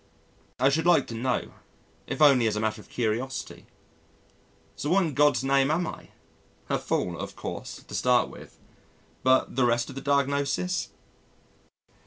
I should like to know if only as a matter of curiosity. So what in God's name am I? A fool, of course, to start with but the rest of the diagnosis?